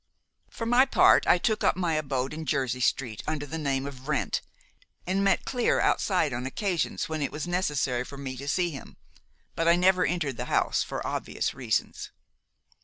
"For my part, I took up my abode in Jersey Street under the name of Wrent, and met Clear outside on occasions when it was necessary for me to see him; but I never entered the house for obvious reasons.